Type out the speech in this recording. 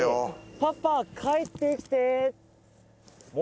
パパ帰ってきて！